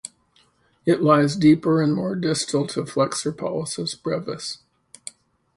It lies deeper and more distal to flexor pollicis brevis.